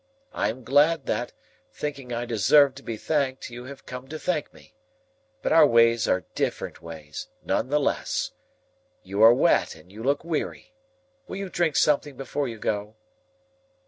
I am glad that, thinking I deserve to be thanked, you have come to thank me. But our ways are different ways, none the less. You are wet, and you look weary. Will you drink something before you go?"